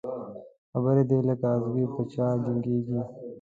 خبري دي لکه اغزي په چا جګېږي